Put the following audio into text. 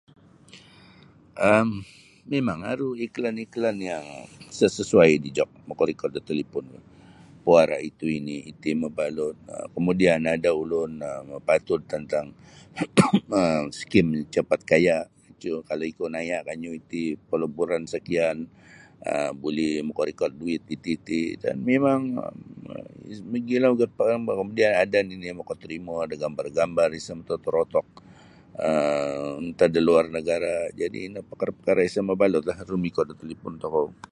um mimang aru iklan-iklan yang sa' sasuai dijok makarikot da taliponku mapuara' itu ini iti mabalut um kamudian ada ulun um mapatud tantang um skim capat kaya' cua' kalau ikou naya' kanyu iti palaburan sakian um buli makarikot duit iti-iti dan mimang mogilo ogu pakara'. Ada nini' makatarimo da gambar-gambar isa' matotorotok um antad da luar nagara' jadi' ino pakara'-pakara' isa' mabalutlah rumikot da talipon tokou.